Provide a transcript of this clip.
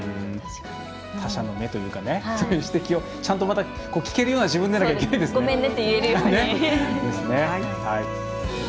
他者の目というかそういう指摘をちゃんとまた聞けるような自分でなきゃいけないですね。